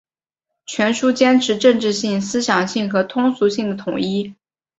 全书坚持政治性、思想性和通俗性的统一